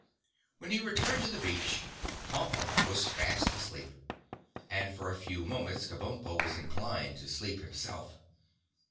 When he returned to the beach, Pompa was fast asleep, and for a few moments Kabumpo was inclined to sleep himself.